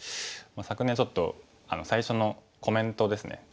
昨年ちょっと最初のコメントですね。